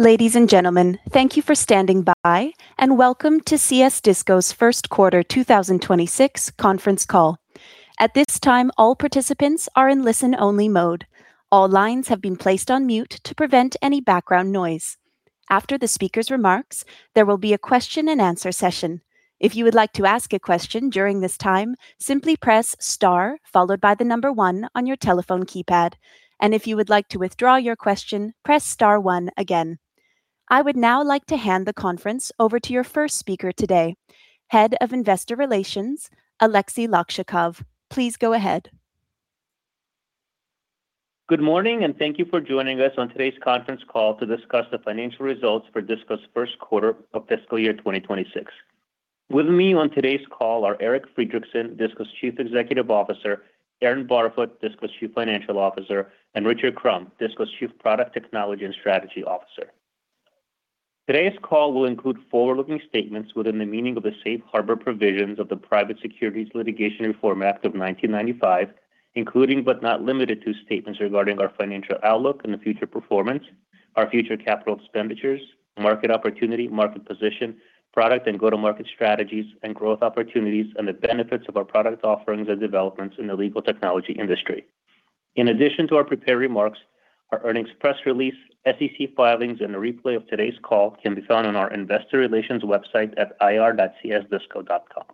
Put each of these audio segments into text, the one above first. Ladies and gentlemen, thank you for standing by, and welcome to CS Disco's first quarter 2026 conference call. At this time, all participants are in listen-only mode. All lines have been placed on mute to prevent any background noise. After the speaker's remarks, there will be a question-and-answer session. If you would like to ask a question during this time, simply press star followed by the number one on your telephone keypad. If you would like to withdraw your question, press star one again. I would now like to hand the conference over to your first speaker today, Head of Investor Relations, Aleksey Lakchakov. Please go ahead. Good morning, thank you for joining us on today's conference call to discuss the financial results for Disco's first quarter of fiscal year 2026. With me on today's call are Eric Friedrichsen, Disco's Chief Executive Officer, Aaron Barfoot, Disco's Chief Financial Officer, and Richard Crum, Disco's Chief Product, Technology and Strategy Officer. Today's call will include forward-looking statements within the meaning of the Safe Harbor Provisions of the Private Securities Litigation Reform Act of 1995, including, but not limited to, statements regarding our financial outlook and the future performance, our future capital expenditures, market opportunity, market position, product and go-to-market strategies and growth opportunities, and the benefits of our product offerings and developments in the legal technology industry. In addition to our prepared remarks, our earnings press release, SEC filings, and a replay of today's call can be found on our investor relations website at ir.csdisco.com.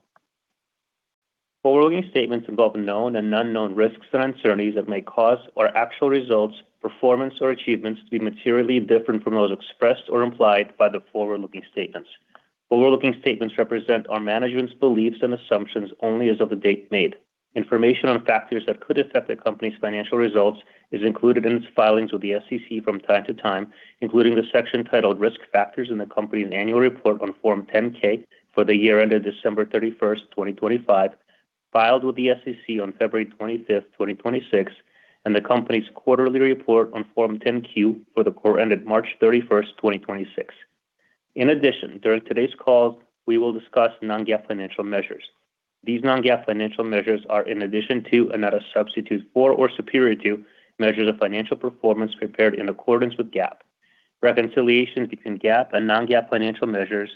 Forward-looking statements involve known and unknown risks and uncertainties that may cause or actual results, performance, or achievements to be materially different from those expressed or implied by the forward-looking statements. Forward-looking statements represent our management's beliefs and assumptions only as of the date made. Information on factors that could affect the company's financial results is included in its filings with the SEC from time to time, including the section titled Risk Factors in the company's annual report on Form 10-K for the year ended December 31st, 2025, filed with the SEC on February 25th, 2026, and the company's quarterly report on Form 10-Q for the quarter ended March 31st, 2026. In addition, during today's call, we will discuss non-GAAP financial measures. These non-GAAP financial measures are in addition to, and not a substitute for or superior to, measures of financial performance prepared in accordance with GAAP. Reconciliation between GAAP and non-GAAP financial measures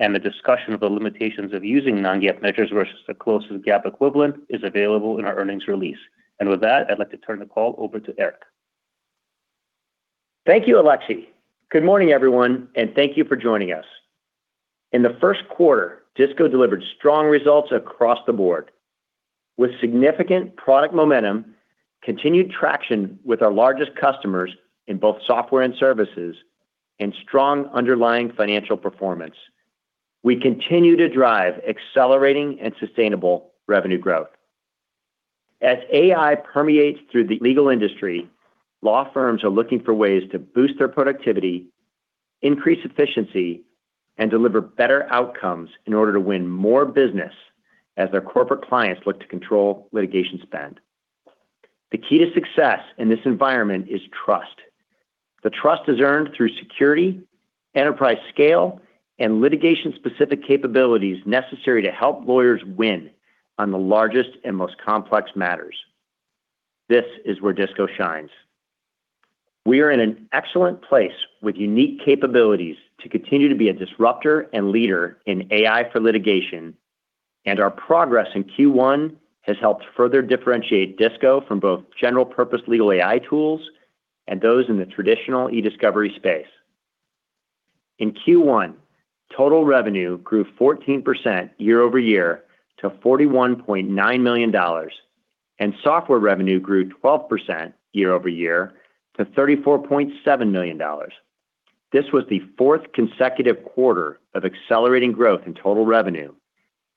and the discussion of the limitations of using non-GAAP measures versus the closest GAAP equivalent is available in our earnings release. With that, I'd like to turn the call over to Eric. Thank you, Aleksey. Good morning, everyone, and thank you for joining us. In the first quarter, Disco delivered strong results across the board. With significant product momentum, continued traction with our largest customers in both software and services, and strong underlying financial performance, we continue to drive accelerating and sustainable revenue growth. As AI permeates through the legal industry, law firms are looking for ways to boost their productivity, increase efficiency, and deliver better outcomes in order to win more business as their corporate clients look to control litigation spend. The key to success in this environment is trust. The trust is earned through security, enterprise scale, and litigation-specific capabilities necessary to help lawyers win on the largest and most complex matters. This is where Disco shines. We are in an excellent place with unique capabilities to continue to be a disruptor and leader in AI for litigation, and our progress in Q1 has helped further differentiate DISCO from both general-purpose legal AI tools and those in the traditional e-discovery space. In Q1, total revenue grew 14% year-over-year to $41.9 million, and software revenue grew 12% year-over-year to $34.7 million. This was the fourth consecutive quarter of accelerating growth in total revenue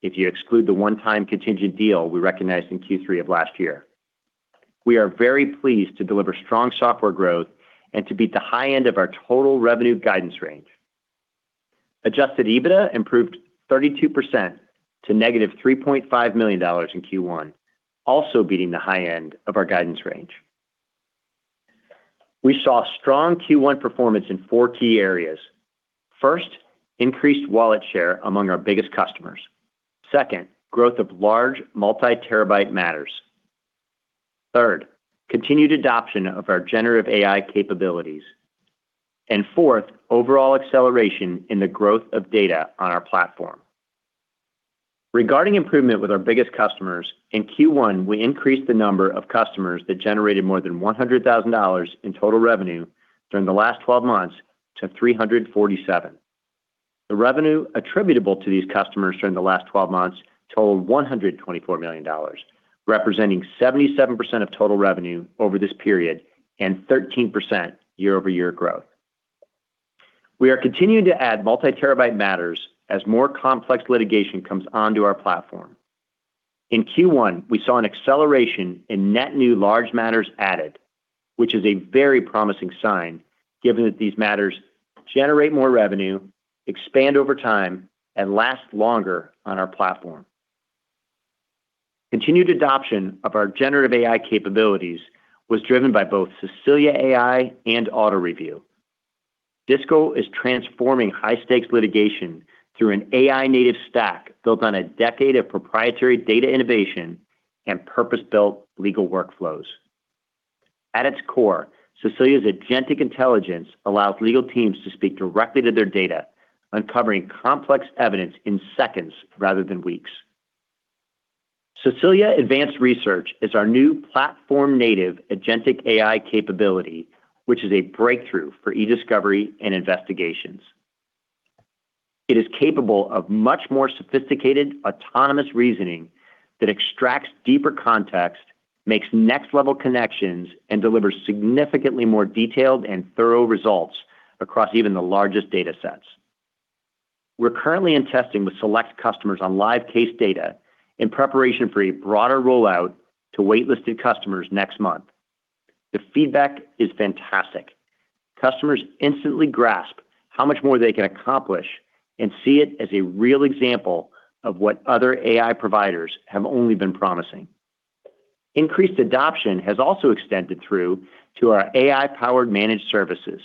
if you exclude the one-time contingent deal we recognized in Q3 of last year. We are very pleased to deliver strong software growth and to beat the high end of our total revenue guidance range. Adjusted EBITDA improved 32% to -$3.5 million in Q1, also beating the high end of our guidance range. We saw strong Q1 performance in 4 key areas. First, increased wallet share among our biggest customers. Second, growth of large multi-terabyte matters. Third, continued adoption of our generative AI capabilities. Fourth, overall acceleration in the growth of data on our platform. Regarding improvement with our biggest customers, in Q1, we increased the number of customers that generated more than $100,000 in total revenue during the last 12 months to 347. The revenue attributable to these customers during the last 12 months totaled $124 million, representing 77% of total revenue over this period and 13% year-over-year growth. We are continuing to add multi-terabyte matters as more complex litigation comes onto our platform. In Q1, we saw an acceleration in net new large matters added, which is a very promising sign given that these matters generate more revenue, expand over time, and last longer on our platform. Continued adoption of our generative AI capabilities was driven by both Cecilia AI and AutoReview. DISCO is transforming high stakes litigation through an AI native stack built on a decade of proprietary data innovation and purpose-built legal workflows. At its core, Cecilia's agentic intelligence allows legal teams to speak directly to their data, uncovering complex evidence in seconds rather than weeks. Cecilia Advanced Research is our new platform native agentic AI capability, which is a breakthrough for e-discovery and investigations. It is capable of much more sophisticated autonomous reasoning that extracts deeper context, makes next level connections, and delivers significantly more detailed and thorough results across even the largest data sets. We're currently in testing with select customers on live case data in preparation for a broader rollout to wait-listed customers next month. The feedback is fantastic. Customers instantly grasp how much more they can accomplish and see it as a real example of what other AI providers have only been promising. Increased adoption has also extended through to our AI-powered managed services,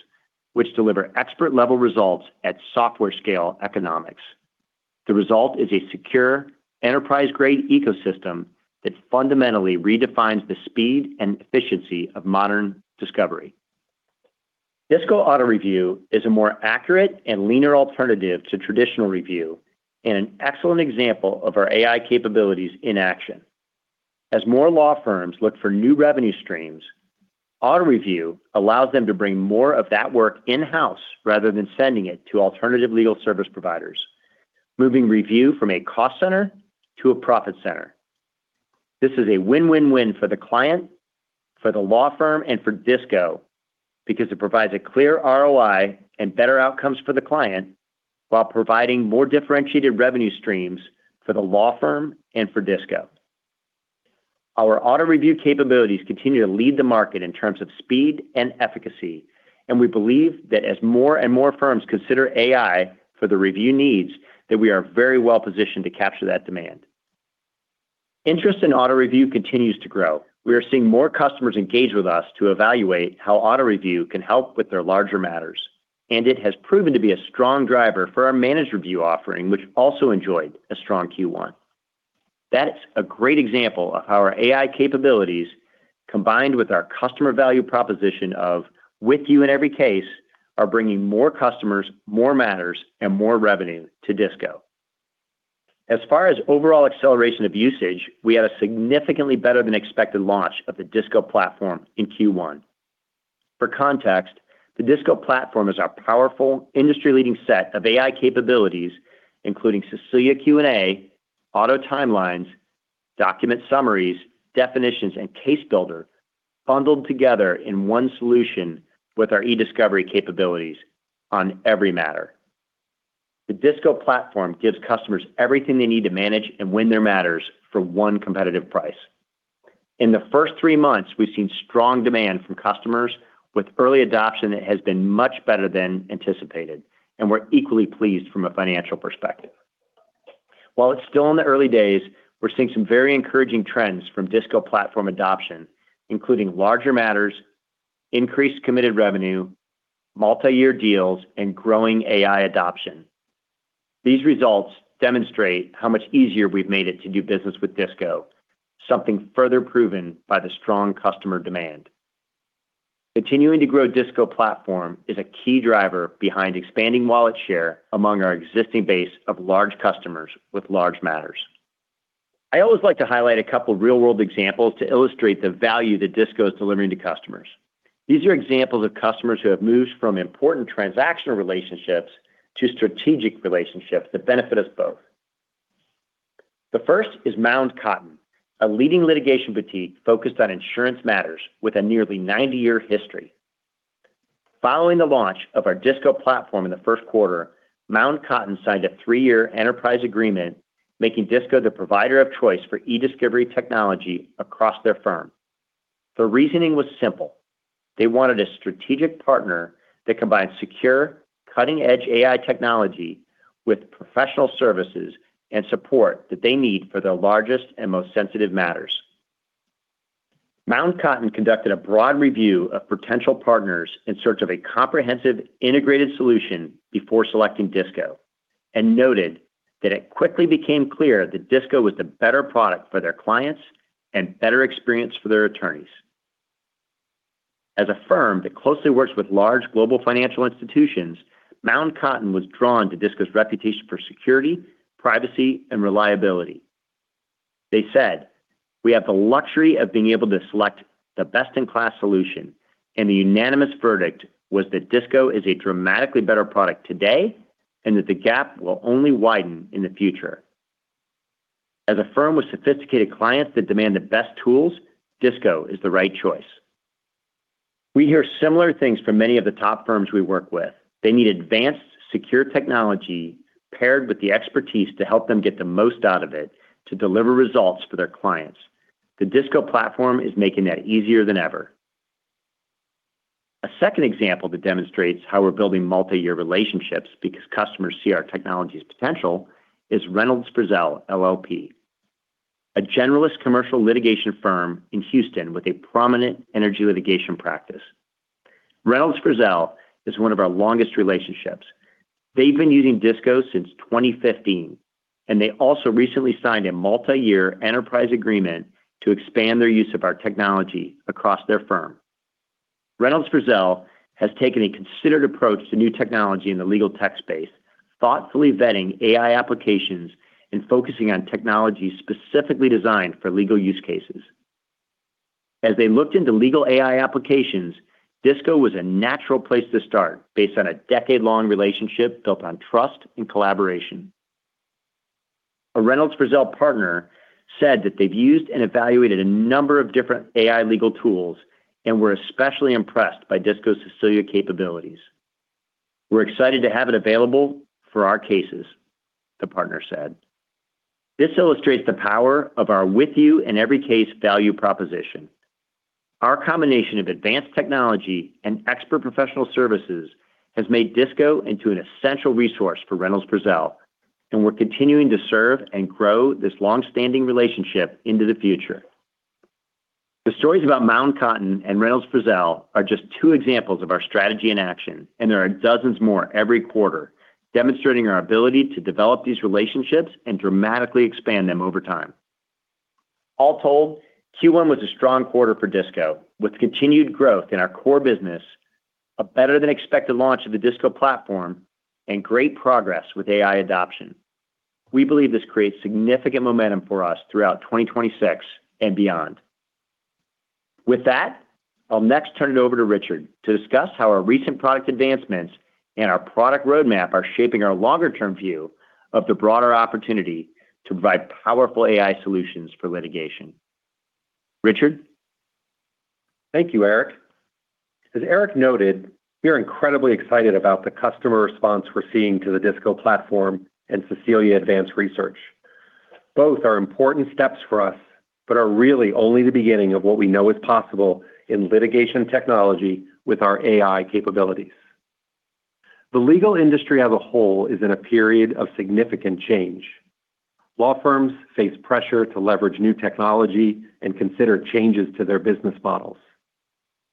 which deliver expert level results at software scale economics. The result is a secure enterprise-grade ecosystem that fundamentally redefines the speed and efficiency of modern discovery. DISCO AutoReview is a more accurate and leaner alternative to traditional review and an excellent example of our AI capabilities in action. As more law firms look for new revenue streams, AutoReview allows them to bring more of that work in-house rather than sending it to alternative legal service providers, moving review from a cost center to a profit center. This is a win-win-win for the client, for the law firm, and for Disco because it provides a clear ROI and better outcomes for the client while providing more differentiated revenue streams for the law firm and for Disco. Our AutoReview capabilities continue to lead the market in terms of speed and efficacy, and we believe that as more and more firms consider AI for their review needs, that we are very well positioned to capture that demand. Interest in AutoReview continues to grow. We are seeing more customers engage with us to evaluate how AutoReview can help with their larger matters, and it has proven to be a strong driver for our managed review offering, which also enjoyed a strong Q1. That's a great example of how our AI capabilities, combined with our customer value proposition of with you in every case, are bringing more customers, more matters, and more revenue to Disco. As far as overall acceleration of usage, we had a significantly better than expected launch of the DISCO Platform in Q1. For context, the DISCO Platform is our powerful industry-leading set of AI capabilities, including Cecilia Q&A, Cecilia auto timelines, document summaries, definitions, and DISCO Case Builder bundled together in one solution with our e-discovery capabilities on every matter. The DISCO Platform gives customers everything they need to manage and win their matters for one competitive price. In the first three months, we've seen strong demand from customers with early adoption that has been much better than anticipated, and we're equally pleased from a financial perspective. While it's still in the early days, we're seeing some very encouraging trends from DISCO Platform adoption, including larger matters, increased committed revenue, multi-year deals, and growing AI adoption. These results demonstrate how much easier we've made it to do business with DISCO, something further proven by the strong customer demand. Continuing to grow DISCO Platform is a key driver behind expanding wallet share among our existing base of large customers with large matters. I always like to highlight a couple real-world examples to illustrate the value that DISCO is delivering to customers. These are examples of customers who have moved from important transactional relationships to strategic relationships that benefit us both. The first is Mound Cotton, a leading litigation boutique focused on insurance matters with a nearly 90-year history. Following the launch of our DISCO Platform in the first quarter, Mound Cotton signed a three-year enterprise agreement, making DISCO the provider of choice for e-discovery technology across their firm. The reasoning was simple. They wanted a strategic partner that combined secure, cutting-edge AI technology with professional services and support that they need for their largest and most sensitive matters. Mound Cotton conducted a broad review of potential partners in search of a comprehensive, integrated solution before selecting DISCO, and noted that it quickly became clear that DISCO was the better product for their clients and better experience for their attorneys. As a firm that closely works with large global financial institutions, Mound Cotton was drawn to DISCO's reputation for security, privacy, and reliability. They said, "We have the luxury of being able to select the best in class solution, and the unanimous verdict was that DISCO is a dramatically better product today and that the gap will only widen in the future. As a firm with sophisticated clients that demand the best tools, DISCO is the right choice." We hear similar things from many of the top firms we work with. They need advanced, secure technology paired with the expertise to help them get the most out of it to deliver results for their clients. The DISCO Platform is making that easier than ever. A second example that demonstrates how we're building multi-year relationships because customers see our technology's potential is Reynolds Frizzell LLP. A generalist commercial litigation firm in Houston with a prominent energy litigation practice. Reynolds Frizzell is one of our longest relationships. They've been using DISCO since 2015, and they also recently signed a multi-year enterprise agreement to expand their use of our technology across their firm. Reynolds Frizzell LLP has taken a considered approach to new technology in the legal tech space, thoughtfully vetting AI applications and focusing on technology specifically designed for legal use cases. As they looked into legal AI applications, DISCO was a natural place to start based on a decade-long relationship built on trust and collaboration. A Reynolds Frizzell LLP partner said that they've used and evaluated a number of different AI legal tools and were especially impressed by Cecilia capabilities. "We're excited to have it available for our cases," the partner said. This illustrates the power of our with you in every case value proposition. Our combination of advanced technology and expert professional services has made Disco into an essential resource for Reynolds Frizzell LLP, and we're continuing to serve and grow this long-standing relationship into the future. There are dozens more every quarter demonstrating our ability to develop these relationships and dramatically expand them over time. All told, Q1 was a strong quarter for Disco, with continued growth in our core business, a better than expected launch of the DISCO Platform, great progress with AI adoption. We believe this creates significant momentum for us throughout 2026 and beyond. With that, I'll next turn it over to Richard to discuss how our recent product advancements and our product roadmap are shaping our longer term view of the broader opportunity to provide powerful AI solutions for litigation. Richard. Thank you, Eric. As Eric noted, we are incredibly excited about the customer response we're seeing to the DISCO Platform and Cecilia Advanced Research. Both are important steps for us, but are really only the beginning of what we know is possible in litigation technology with our AI capabilities. The legal industry as a whole is in a period of significant change. Law firms face pressure to leverage new technology and consider changes to their business models.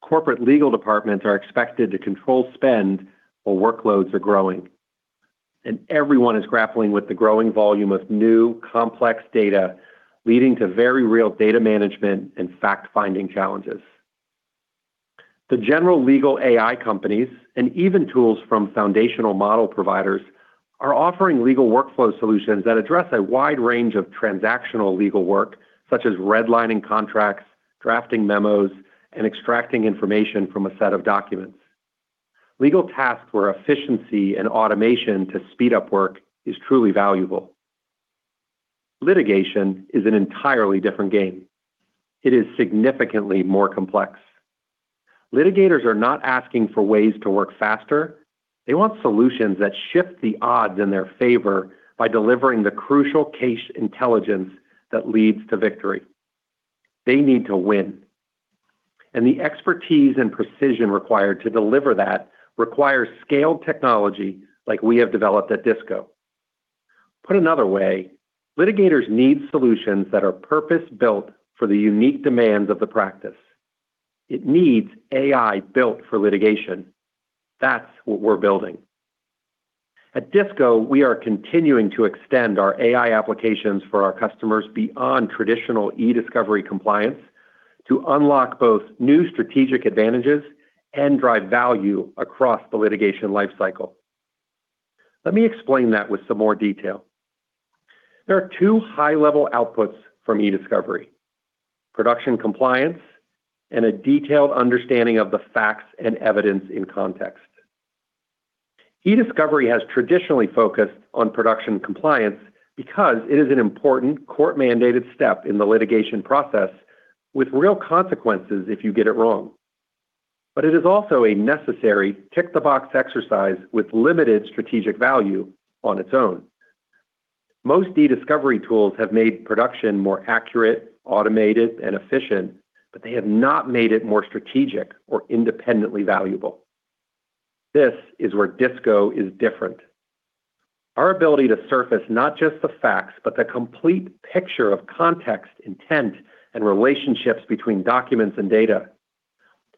Corporate legal departments are expected to control spend while workloads are growing, and everyone is grappling with the growing volume of new complex data, leading to very real data management and fact-finding challenges. The general legal AI companies and even tools from foundational model providers are offering legal workflow solutions that address a wide range of transactional legal work, such as redlining contracts, drafting memos, and extracting information from a set of documents. Legal tasks where efficiency and automation to speed up work is truly valuable. Litigation is an entirely different game. It is significantly more complex. Litigators are not asking for ways to work faster. They want solutions that shift the odds in their favor by delivering the crucial case intelligence that leads to victory. They need to win, and the expertise and precision required to deliver that requires scaled technology like we have developed at DISCO. Put another way, litigators need solutions that are purpose-built for the unique demands of the practice. It needs AI built for litigation. That's what we're building. At DISCO, we are continuing to extend our AI applications for our customers beyond traditional e-discovery compliance to unlock both new strategic advantages and drive value across the litigation life cycle. Let me explain that with some more detail. There are two high-level outputs from e-discovery. Production compliance and a detailed understanding of the facts and evidence in context. E-discovery has traditionally focused on production compliance because it is an important court-mandated step in the litigation process with real consequences if you get it wrong. It is also a necessary tick the box exercise with limited strategic value on its own. Most e-discovery tools have made production more accurate, automated, and efficient, but they have not made it more strategic or independently valuable. This is where DISCO is different. It is our ability to surface not just the facts, but the complete picture of context, intent, and relationships between documents and data.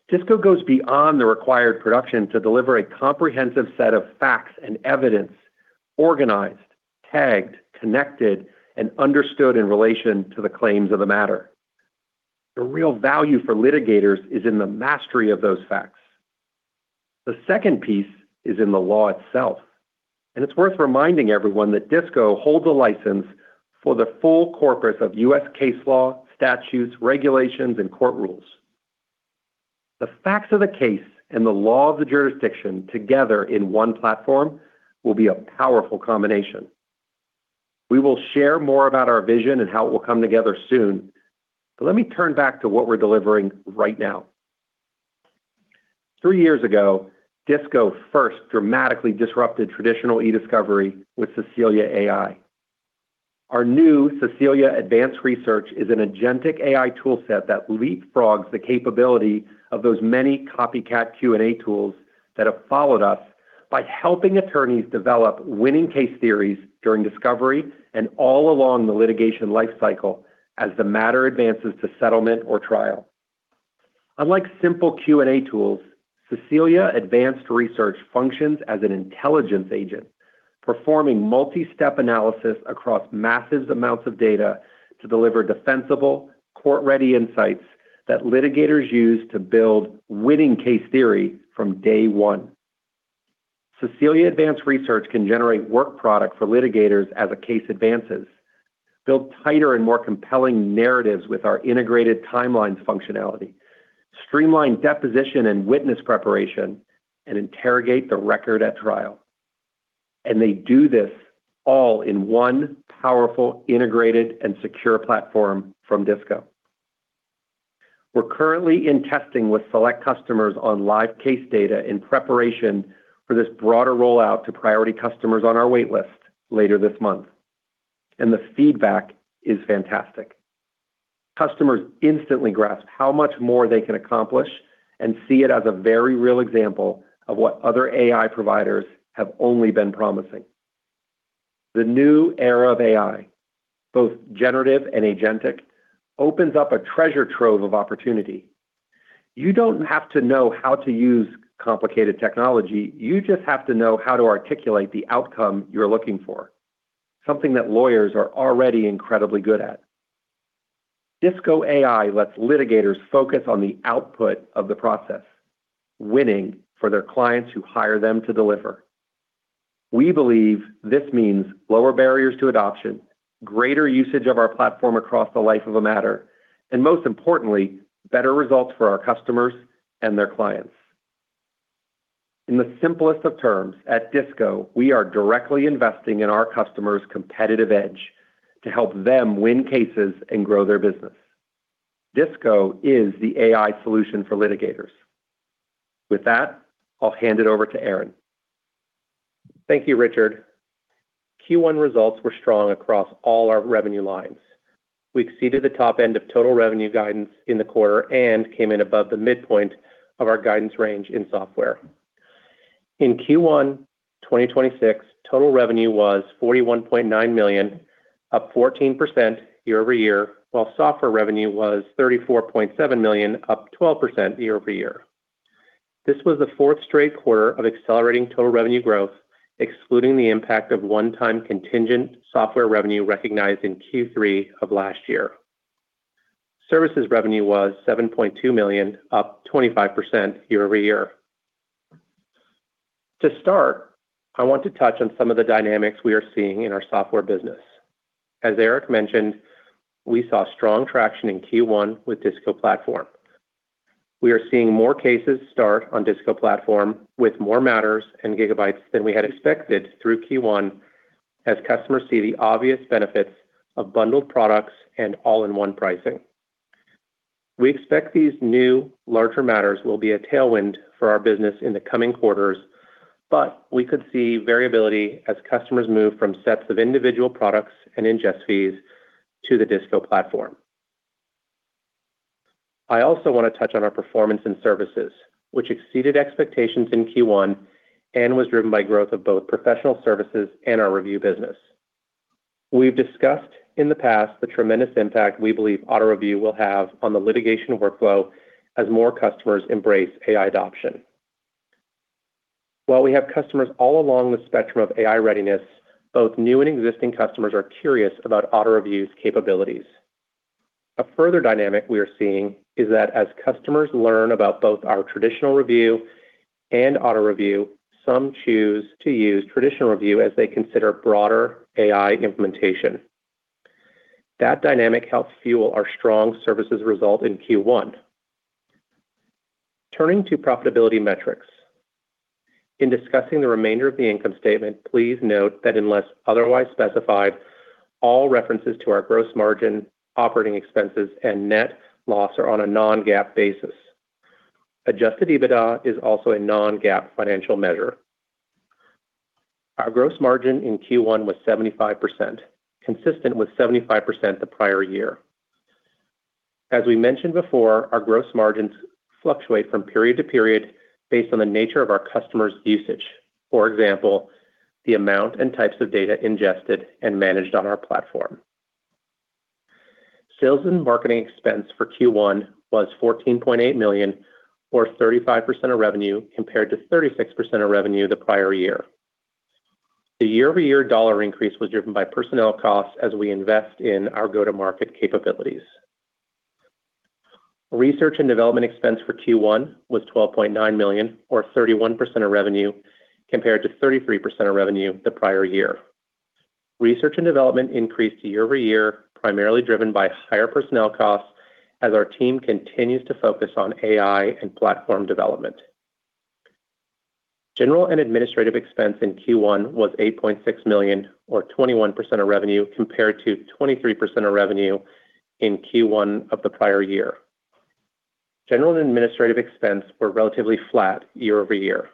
DISCO goes beyond the required production to deliver a comprehensive set of facts and evidence, organized, tagged, connected, and understood in relation to the claims of the matter. The real value for litigators is in the mastery of those facts. The second piece is in the law itself, and it's worth reminding everyone that DISCO holds a license for the full corpus of US case law, statutes, regulations, and court rules. The facts of the case and the law of the jurisdiction together in one platform will be a powerful combination. We will share more about our vision and how it will come together soon, but let me turn back to what we're delivering right now. Three years ago, DISCO first dramatically disrupted traditional e-discovery with Cecilia AI. Our new Cecilia Q&A: Advanced Research is an agentic AI tool set that leapfrogs the capability of those many copycat Q&A tools that have followed us by helping attorneys develop winning case theories during discovery and all along the litigation life cycle as the matter advances to settlement or trial. Unlike simple Q&A tools, Cecilia Advanced Research functions as an intelligence agent, performing multi-step analysis across massive amounts of data to deliver defensible, court-ready insights that litigators use to build winning case theory from day 1. Cecilia Advanced Research can generate work product for litigators as a case advances, build tighter and more compelling narratives with our integrated timelines functionality, streamline deposition and witness preparation, and interrogate the record at trial. They do this all in one powerful, integrated, and secure platform from DISCO. We're currently in testing with select customers on live case data in preparation for this broader rollout to priority customers on our wait list later this month. The feedback is fantastic. Customers instantly grasp how much more they can accomplish and see it as a very real example of what other AI providers have only been promising. The new era of AI, both generative and agentic, opens up a treasure trove of opportunity. You don't have to know how to use complicated technology. You just have to know how to articulate the outcome you're looking for, something that lawyers are already incredibly good at. DISCO AI lets litigators focus on the output of the process, winning for their clients who hire them to deliver. We believe this means lower barriers to adoption, greater usage of our platform across the life of a matter, and most importantly, better results for our customers and their clients. In the simplest of terms, at DISCO, we are directly investing in our customers' competitive edge to help them win cases and grow their business. DISCO is the AI solution for litigators. With that, I'll hand it over to Aaron. Thank you, Richard. Q1 results were strong across all our revenue lines. We exceeded the top end of total revenue guidance in the quarter and came in above the midpoint of our guidance range in software. In Q1 2026, total revenue was $41.9 million, up 14% year-over-year, while software revenue was $34.7 million, up 12% year-over-year. This was the fourth straight quarter of accelerating total revenue growth, excluding the impact of one-time contingent software revenue recognized in Q3 of last year. Services revenue was $7.2 million, up 25% year-over-year. To start, I want to touch on some of the dynamics we are seeing in our software business. As Eric mentioned, we saw strong traction in Q1 with DISCO Platform. We are seeing more cases start on DISCO Platform with more matters and gigabytes than we had expected through Q1 as customers see the obvious benefits of bundled products and all-in-one pricing. We expect these new, larger matters will be a tailwind for our business in the coming quarters, but we could see variability as customers move from sets of individual products and ingest fees to the DISCO Platform. I also want to touch on our performance and services, which exceeded expectations in Q1 and was driven by growth of both professional services and our review business. We've discussed in the past the tremendous impact we believe AutoReview will have on the litigation workflow as more customers embrace AI adoption. While we have customers all along the spectrum of AI readiness, both new and existing customers are curious about AutoReview's capabilities. A further dynamic we are seeing is that as customers learn about both our traditional review and AutoReview, some choose to use traditional review as they consider broader AI implementation. That dynamic helps fuel our strong services result in Q1. Turning to profitability metrics. In discussing the remainder of the income statement, please note that unless otherwise specified, all references to our gross margin, operating expenses, and net loss are on a non-GAAP basis. adjusted EBITDA is also a non-GAAP financial measure. Our gross margin in Q1 was 75%, consistent with 75% the prior year. As we mentioned before, our gross margins fluctuate from period to period based on the nature of our customers' usage. For example, the amount and types of data ingested and managed on our platform. Sales and marketing expense for Q1 was $14.8 million, or 35% of revenue, compared to 36% of revenue the prior year. The year-over-year dollar increase was driven by personnel costs as we invest in our go-to-market capabilities. Research and development expense for Q1 was $12.9 million, or 31% of revenue, compared to 33% of revenue the prior year. Research and development increased year over year, primarily driven by higher personnel costs as our team continues to focus on AI and platform development. General and administrative expense in Q1 was $8.6 million, or 21% of revenue, compared to 23% of revenue in Q1 of the prior year. General and administrative expense were relatively flat year over year.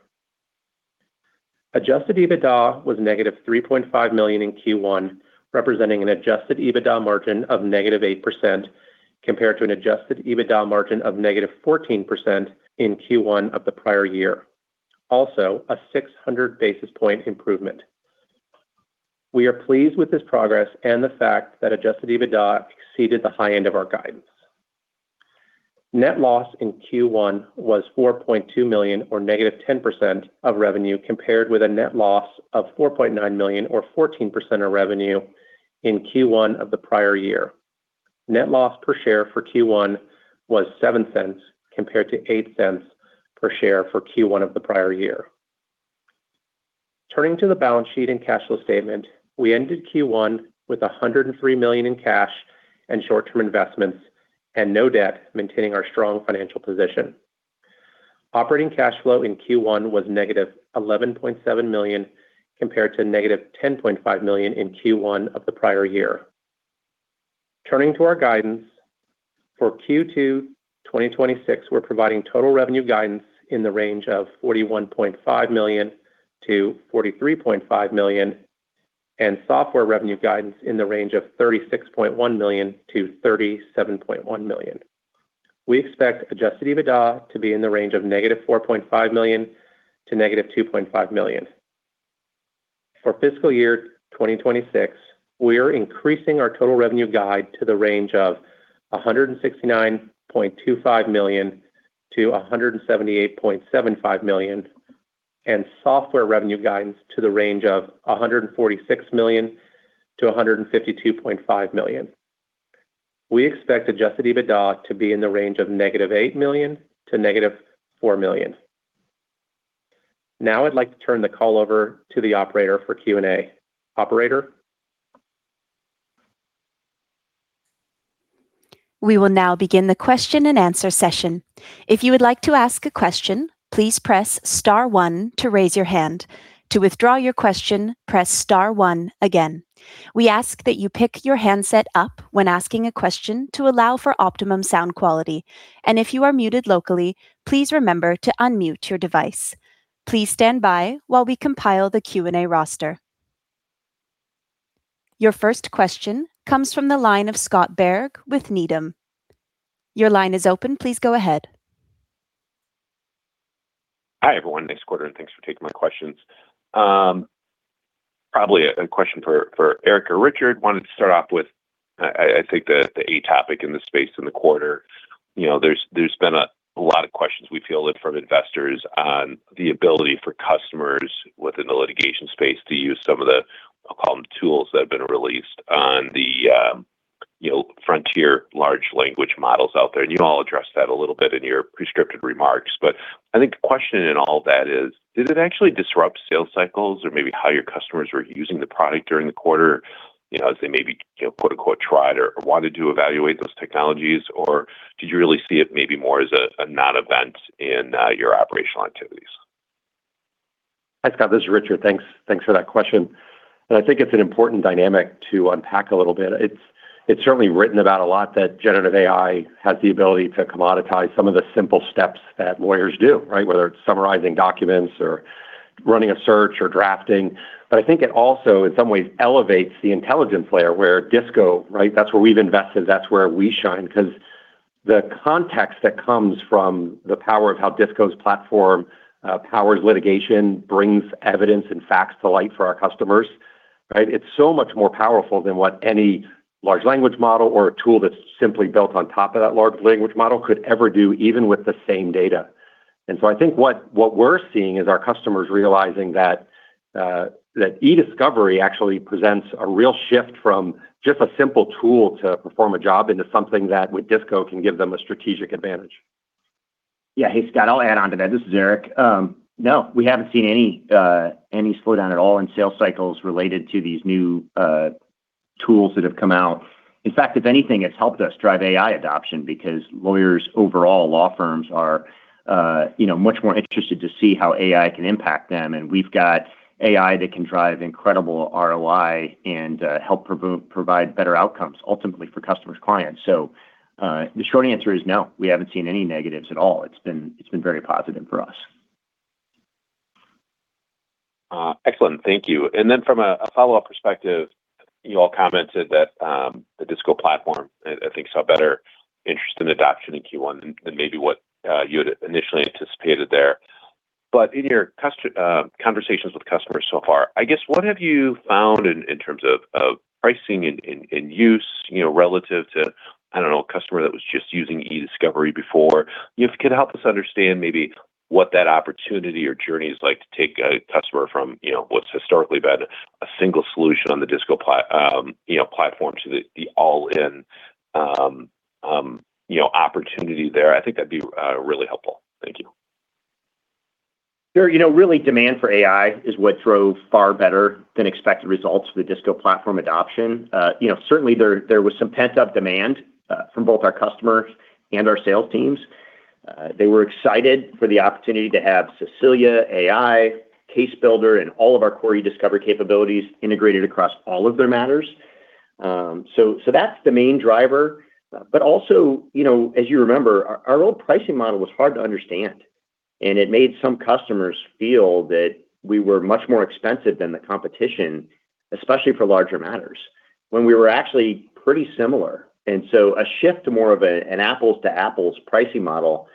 Adjusted EBITDA was negative $3.5 million in Q1, representing an adjusted EBITDA margin of negative 8%. Compared to an adjusted EBITDA margin of negative 14% in Q1 of the prior year. Also, a 600 basis point improvement. We are pleased with this progress and the fact that adjusted EBITDA exceeded the high end of our guidance. Net loss in Q1 was $4.2 million or negative 10% of revenue, compared with a net loss of $4.9 million or 14% of revenue in Q1 of the prior year. Net loss per share for Q1 was $0.07, compared to $0.08 per share for Q1 of the prior year. Turning to the balance sheet and cash flow statement, we ended Q1 with $103 million in cash and short-term investments and no debt, maintaining our strong financial position. Operating cash flow in Q1 was -$11.7 million, compared to -$10.5 million in Q1 of the prior year. Turning to our guidance, for Q2 2026, we're providing total revenue guidance in the range of $41.5 million-$43.5 million, and software revenue guidance in the range of $36.1 million-$37.1 million. We expect adjusted EBITDA to be in the range of -$4.5 million to -$2.5 million. For fiscal year 2026, we are increasing our total revenue guide to the range of $169.25 million-$178.75 million, and software revenue guidance to the range of $146 million-$152.5 million. We expect adjusted EBITDA to be in the range of negative $8 million to negative $4 million. Now I'd like to turn the call over to the operator for Q&A. Operator? We will now begin the question-and-answer session. If you would like to ask a question, please press star one to raise your hand. To withdraw your question, press star one again. We ask that you pick your handset up when asking a question to allow for optimum sound quality, and if you are muted locally, please remember to unmute your device. Please stand by while we compile the Q&A roster. Your first question comes from the line of Scott Berg with Needham. Your line is open. Please go ahead. Hi, everyone. Thanks, quarter, and thanks for taking my questions. Probably a question for Eric or Richard. Wanted to start off with, I think the AI topic in the space in the quarter. You know, there's been a lot of questions we feel like from investors on the ability for customers within the litigation space to use some of the, I'll call them tools that have been released on the, you know, frontier large language models out there. You all addressed that a little bit in your prepared remarks. I think the question in all that is, did it actually disrupt sales cycles or maybe how your customers were using the product during the quarter, you know, as they maybe, you know, quote-unquote, tried or wanted to evaluate those technologies? Did you really see it maybe more as a non-event in your operational activities? Hi, Scott. This is Richard. Thanks for that question. I think it's an important dynamic to unpack a little bit. It's certainly written about a lot that generative AI has the ability to commoditize some of the simple steps that lawyers do, right? Whether it's summarizing documents or running a search or drafting. I think it also, in some ways, elevates the intelligence layer where DISCO, right, that's where we've invested, that's where we shine. Because the context that comes from the power of how DISCO's Platform powers litigation, brings evidence and facts to light for our customers, right, it's so much more powerful than what any large language model or a tool that's simply built on top of that large language model could ever do, even with the same data. I think what we're seeing is our customers realizing that e-discovery actually presents a real shift from just a simple tool to perform a job into something that with Disco can give them a strategic advantage. Yeah. Hey, Scott, I'll add on to that. This is Eric. No, we haven't seen any slowdown at all in sales cycles related to these new tools that have come out. In fact, if anything, it's helped us drive AI adoption because lawyers overall, law firms are, you know, much more interested to see how AI can impact them. We've got AI that can drive incredible ROI and provide better outcomes ultimately for customers' clients. The short answer is no, we haven't seen any negatives at all. It's been very positive for us. Excellent. Thank you. From a follow-up perspective, you all commented that the DISCO Platform, I think, saw better interest in adoption in Q1 than maybe what you had initially anticipated there. In your conversations with customers so far, I guess, what have you found in terms of pricing and use, you know, relative to, I don't know, a customer that was just using e-discovery before? If you could help us understand maybe what that opportunity or journey is like to take a customer from, you know, what's historically been a single solution on the DISCO Platform to the all-in, you know, opportunity there, I think that'd be really helpful. Thank you. Sure. You know, really demand for AI is what drove far better than expected results for the DISCO Platform adoption. You know, certainly there was some pent-up demand from both our customers and our sales teams. They were excited for the opportunity to have Cecilia AI, Case Builder, and all of our e-discovery capabilities integrated across all of their matters. So that's the main driver. But also, you know, as you remember, our old pricing model was hard to understand. And it made some customers feel that we were much more expensive than the competition, especially for larger matters, when we were actually pretty similar. So a shift to more of an apples to apples pricing model,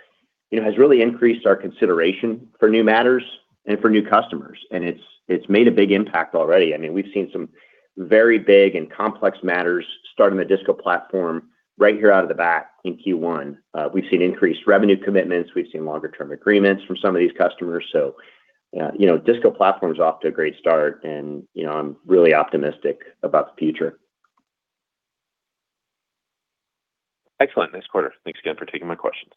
you know, has really increased our consideration for new matters and for new customers, and it's made a big impact already. I mean, we've seen some very big and complex matters start on the DISCO Platform right here out of the bat in Q1. We've seen increased revenue commitments. We've seen longer term agreements from some of these customers. You know, DISCO Platform's off to a great start and, you know, I'm really optimistic about the future. Excellent. Nice quarter. Thanks again for taking my questions.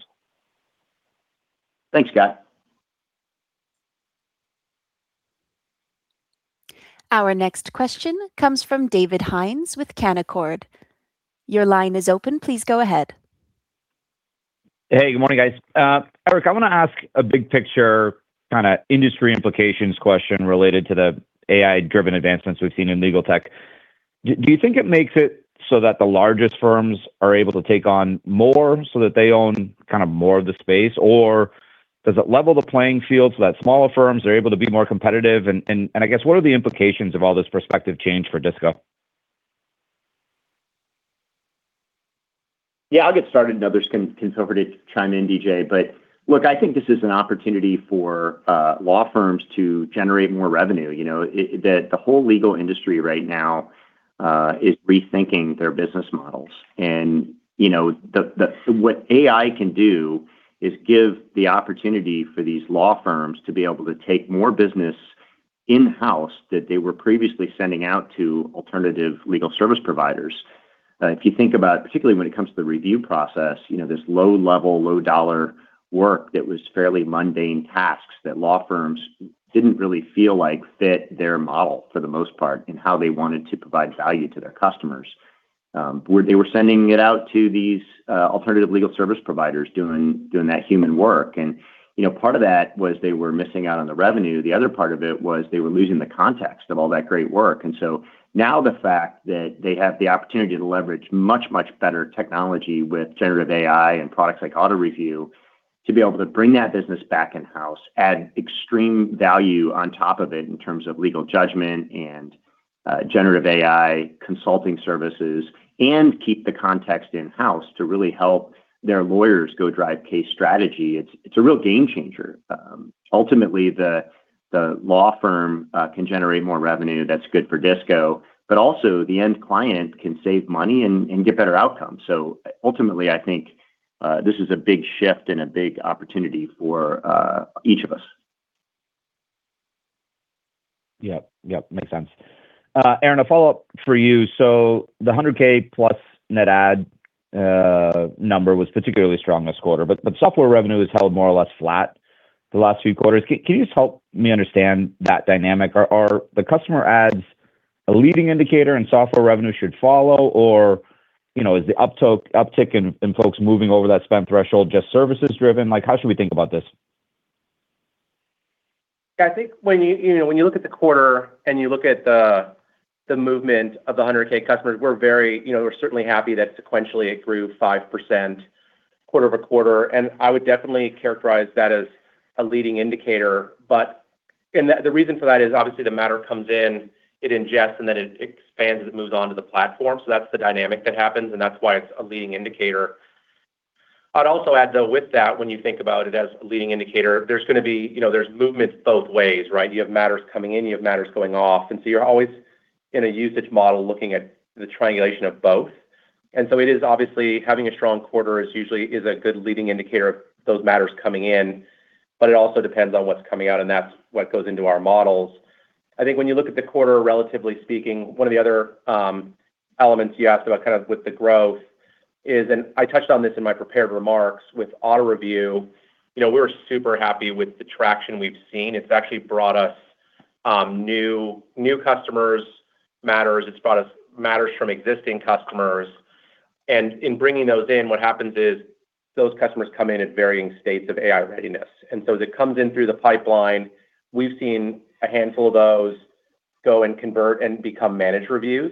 Thanks, Scott. Our next question comes from David Hynes with Canaccord. Your line is open. Please go ahead. Hey, good morning, guys. Eric, I want to ask a big picture, kind of industry implications question related to the AI-driven advancements we've seen in legal tech. Do you think it makes it so that the largest firms are able to take on more so that they own kind of more of the space, or does it level the playing field so that smaller firms are able to be more competitive? I guess what are the implications of all this prospective change for DISCO? Yeah, I'll get started and others can feel free to chime in, DJ. Look, I think this is an opportunity for law firms to generate more revenue. You know, the whole legal industry right now is rethinking their business models. You know, what AI can do is give the opportunity for these law firms to be able to take more business in-house that they were previously sending out to alternative legal service providers. If you think about, particularly when it comes to the review process, you know, this low level, low dollar work that was fairly mundane tasks that law firms didn't really feel like fit their model for the most part in how they wanted to provide value to their customers, where they were sending it out to these, alternative legal service providers doing that human work. You know, part of that was they were missing out on the revenue. The other part of it was they were losing the context of all that great work. Now the fact that they have the opportunity to leverage much, much better technology with generative AI and products like AutoReview to be able to bring that business back in-house, add extreme value on top of it in terms of legal judgment and generative AI consulting services, and keep the context in-house to really help their lawyers go drive case strategy, it's a real game changer. Ultimately, the law firm can generate more revenue that's good for Disco, but also the end client can save money and get better outcomes. Ultimately, I think this is a big shift and a big opportunity for each of us. Yep. Yep, makes sense. Aaron, a follow-up for you. The 100K plus net add number was particularly strong this quarter, but software revenue has held more or less flat the last few quarters. Can you just help me understand that dynamic? Are the customer adds a leading indicator and software revenue should follow, or, you know, is the uptick in folks moving over that spend threshold just services driven? How should we think about this? Yeah, I think when you know, when you look at the quarter and you look at the movement of the 100K customers, we're very, you know, we're certainly happy that sequentially it grew 5% quarter-over-quarter, and I would definitely characterize that as a leading indicator. The reason for that is obviously the matter comes in, it ingests, and then it expands as it moves on to the platform. That's the dynamic that happens, and that's why it's a leading indicator. I'd also add, though, with that, when you think about it as a leading indicator, there's gonna be, you know, there's movements both ways, right? You have matters coming in, you have matters going off, you're always in a usage model looking at the triangulation of both. It is obviously having a strong quarter is usually a good leading indicator of those matters coming in, but it also depends on what's coming out, and that's what goes into our models. I think when you look at the quarter, relatively speaking, one of the other elements you asked about kind of with the growth is, and I touched on this in my prepared remarks with AutoReview. You know, we're super happy with the traction we've seen. It's actually brought us new customers, matters. It's brought us matters from existing customers. In bringing those in, what happens is those customers come in at varying states of AI readiness. As it comes in through the pipeline, we've seen a handful of those go and convert and become managed reviews.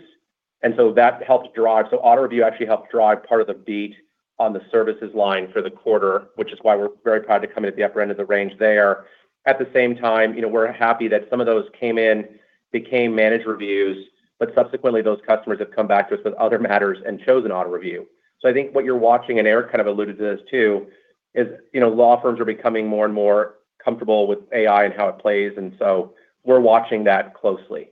That helps drive. AutoReview actually helps drive part of the beat on the services line for the quarter, which is why we're very proud to come in at the upper end of the range there. At the same time, you know, we're happy that some of those came in, became managed reviews, but subsequently those customers have come back to us with other matters and chosen AutoReview. I think what you're watching, and Eric kind of alluded to this too, is, you know, law firms are becoming more and more comfortable with AI and how it plays, and so we're watching that closely.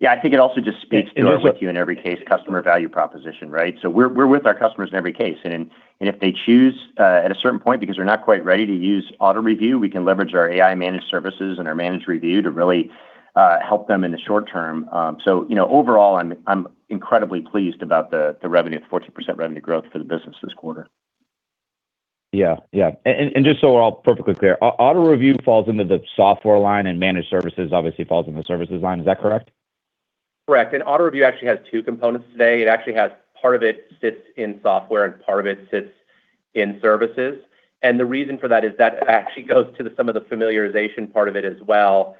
Yeah, I think it also just speaks with you in every case, customer value proposition, right. We're with our customers in every case. If they choose at a certain point, because they're not quite ready to use AutoReview, we can leverage our AI managed services and our managed review to really help them in the short term. You know, overall, I'm incredibly pleased about the revenue, the 14% revenue growth for the business this quarter. Yeah. Yeah. Just so we're all perfectly clear, AutoReview falls into the software line and managed services obviously falls into the services line. Is that correct? Correct. AutoReview actually has 2 components today. It actually has, part of it sits in software and part of it sits in services. The reason for that is that actually some of the familiarization part of it as well.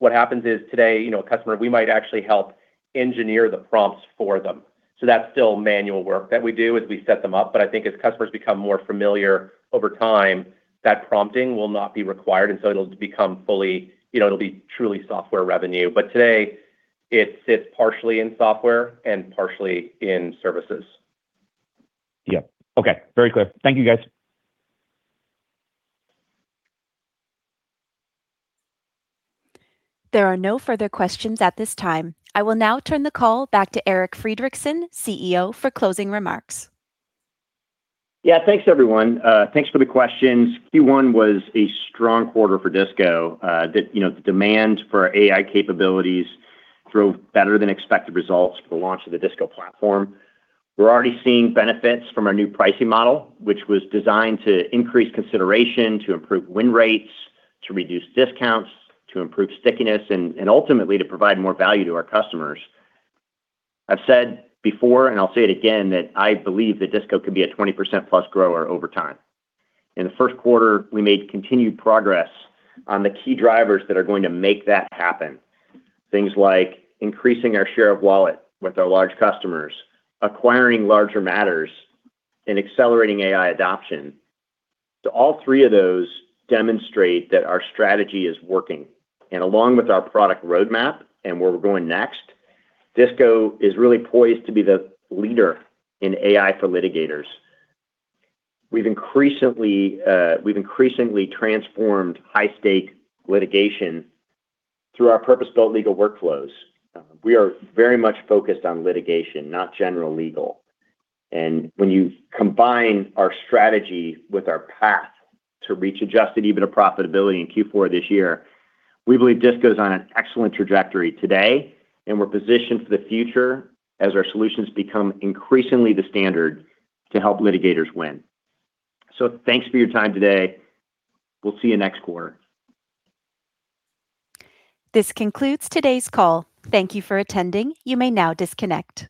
What happens is today, you know, a customer, we might actually help engineer the prompts for them. That's still manual work that we do is we set them up. I think as customers become more familiar over time, that prompting will not be required, and so it'll become fully, you know, it'll be truly software revenue. Today it sits partially in software and partially in services. Yep. Okay. Very clear. Thank you, guys. There are no further questions at this time. I will now turn the call back to Eric Friedrichsen, CEO, for closing remarks. Thanks everyone. Thanks for the questions. Q1 was a strong quarter for DISCO, you know, the demand for our AI capabilities drove better than expected results for the launch of the DISCO Platform. We're already seeing benefits from our new pricing model, which was designed to increase consideration, to improve win rates, to reduce discounts, to improve stickiness, and ultimately to provide more value to our customers. I've said before, and I'll say it again, that I believe that DISCO could be a 20%+ grower over time. In the first quarter, we made continued progress on the key drivers that are going to make that happen. Things like increasing our share of wallet with our large customers, acquiring larger matters, and accelerating AI adoption. All 3 of those demonstrate that our strategy is working. Along with our product roadmap and where we're going next, DISCO is really poised to be the leader in AI for litigators. We've increasingly transformed high-stake litigation through our purpose-built legal workflows. We are very much focused on litigation, not general legal. When you combine our strategy with our path to reach adjusted EBITDA profitability in Q4 this year, we believe DISCO's on an excellent trajectory today, and we're positioned for the future as our solutions become increasingly the standard to help litigators win. Thanks for your time today. We'll see you next quarter. This concludes today's call. Thank you for attending. You may now disconnect